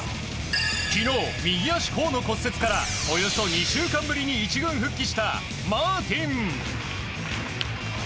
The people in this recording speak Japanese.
昨日、右足甲の骨折からおよそ２週間ぶりに１軍復帰したマーティン。